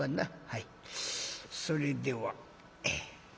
はいそれでは。